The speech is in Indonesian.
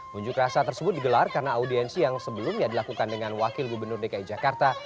munjuk rasa tersebut digelar karena audiensi yang sebelumnya dilakukan dengan wakil gubernur dki jakarta